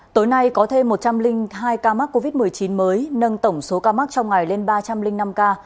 tối nay có thêm một trăm linh hai ca mắc covid một mươi chín mới nâng tổng số ca mắc trong ngày lên ba trăm linh năm ca